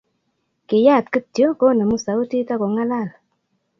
Kiyaat kityo, konemu sautit agongalal